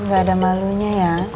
gak ada malunya ya